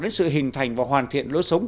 đến sự hình thành và hoàn thiện lối sống